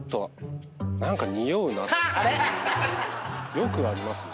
よくありますね。